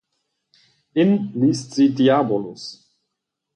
In liest sie "Diabolus".